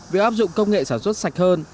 việc áp dụng công nghệ sản xuất sạch hơn